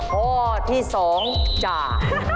ข้อที่๒จ่า